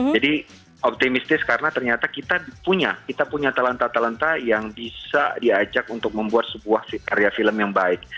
jadi optimistis karena ternyata kita punya talenta talenta yang bisa diajak untuk membuat sebuah karya film yang baik